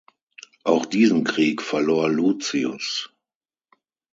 Auch diesen Krieg verlor Lucius.